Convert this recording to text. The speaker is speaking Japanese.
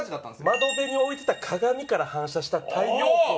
窓辺に置いてた鏡から反射した太陽光がみたいな。